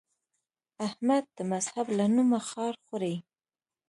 احمد د مذهب له نومه خار خوري.